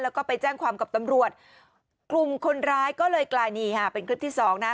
แล้วก็ไปแจ้งความกับตำรวจกลุ่มคนร้ายก็เลยกลายนี่ค่ะเป็นคลิปที่สองนะ